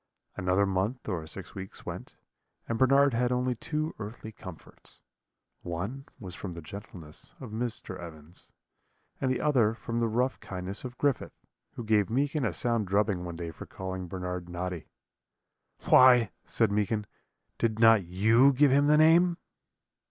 "Another month or six weeks went, and Bernard had only two earthly comforts: one was from the gentleness of Mr. Evans, and the other from the rough kindness of Griffith, who gave Meekin a sound drubbing one day for calling Bernard Noddy. "'Why,' said Meekin, 'did not you give him the name?'